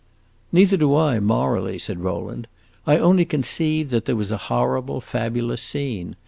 "Neither do I morally," said Rowland. "I only conceive that there was a horrible, fabulous scene.